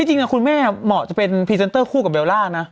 จริงคุณแม่เหมาะจะเป็นพรีเซนเตอร์คู่กับเบลล่านะ